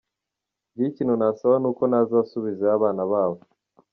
Njyewe ikintu nasaba n’uko nazasubizayo abana babo.”